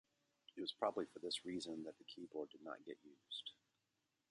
It was probably for this reason that the keyboard did not get used.